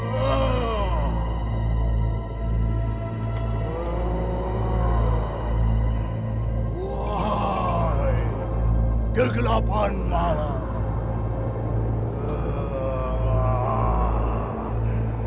wahai kegelapan malam